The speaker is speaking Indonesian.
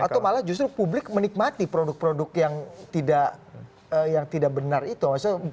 atau malah justru publik menikmati produk produk yang tidak benar itu